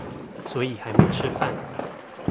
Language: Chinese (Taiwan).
所以還沒吃飯